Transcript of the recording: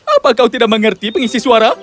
apa kau tidak mengerti pengisi suara